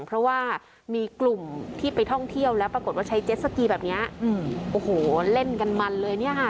เพราะว่ามีกลุ่มที่ไปท่องเที่ยวแล้วปรากฏว่าใช้เจ็ดสกีแบบนี้โอ้โหเล่นกันมันเลยเนี่ยค่ะ